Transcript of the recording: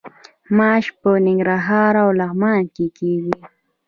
ماش په ننګرهار او لغمان کې کیږي.